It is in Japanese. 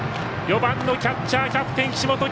４番のキャッチャーキャプテンの岸本。